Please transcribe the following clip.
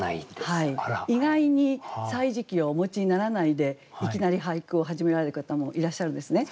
意外に「歳時記」をお持ちにならないでいきなり俳句を始められる方もいらっしゃるんですね。